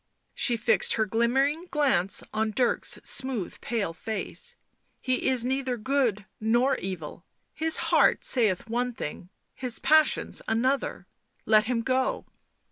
She fixed her glimmering glance on Dirk's smooth pale face. " He is neither good nor evil; his heart sayeth one thing, his passions another — let him go.